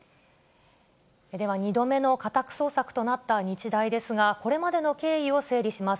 では、２度目の家宅捜索となった日大ですが、これまでの経緯を整理します。